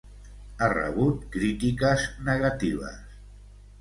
Ha rebut crítiques negatives.